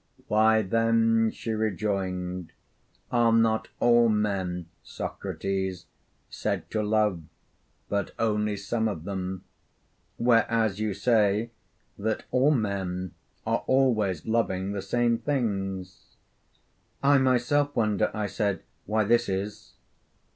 'Why, then,' she rejoined, 'are not all men, Socrates, said to love, but only some of them? whereas you say that all men are always loving the same things.' 'I myself wonder,' I said, 'why this is.'